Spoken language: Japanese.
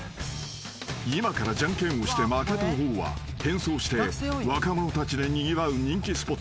［今からジャンケンをして負けた方は変装して若者たちでにぎわう人気スポット